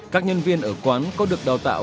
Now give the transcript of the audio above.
các nhân viên ở quán có được đào tạo